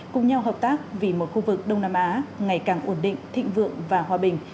cùng nhau hợp tác vì một khu vực đông nam á ngày càng ổn định thịnh vượng và hòa bình